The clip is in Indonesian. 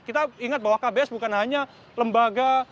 kita ingat bahwa kbs bukan hanya lembaga